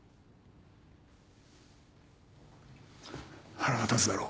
腹が立つだろ？